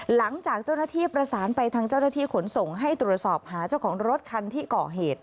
หลังจากเจ้าหน้าที่ประสานไปทางเจ้าหน้าที่ขนส่งให้ตรวจสอบหาเจ้าของรถคันที่ก่อเหตุ